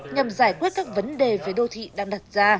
nhằm giải quyết các vấn đề về đô thị đang đặt ra